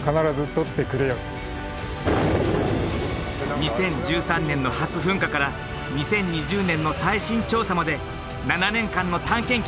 ２０１３年の初噴火から２０２０年の最新調査まで７年間の探検記。